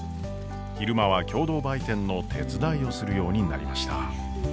昼間は共同売店の手伝いをするようになりました。